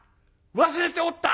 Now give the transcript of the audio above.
忘れておった！